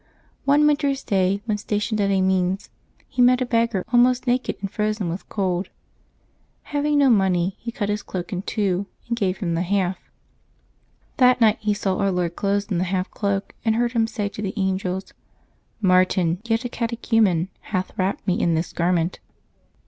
One winter's day, when stationed at Amiens, he met a beggar almost naked and frozen with cold. Hav ing no money, he cut his cloak in two and gave him the half. That night he saw Our Lord clothed in the half cloak, and heard Him say to the angels :" Martin, yet a catechumen, hath wrapped Me in this garment."